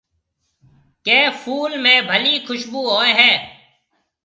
ڪيَ ڦول ۾ ڀلِي کشڀوُ هوئي هيَ۔